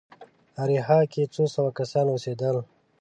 اریحا کې څو سوه کسان اوسېدل.